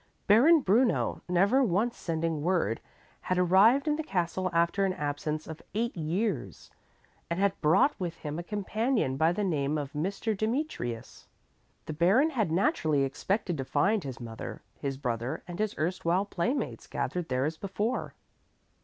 Baron Bruno, never once sending word, had arrived in the castle after an absence of eight years and had brought with him a companion by the name of Mr. Demetrius. The Baron had naturally expected to find his mother, his brother and his erstwhile playmates gathered there as before.